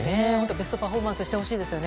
ベストパフォーマンスをしてほしいですね。